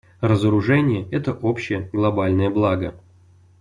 Разоружение — это общее глобальное благо.